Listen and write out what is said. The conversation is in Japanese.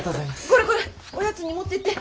これこれおやつに持ってって。